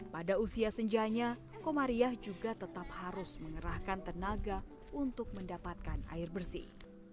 pada usia senjanya komariah juga tetap harus mengerahkan tenaga untuk mendapatkan air bersih